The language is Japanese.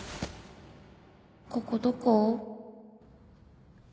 ここどこ？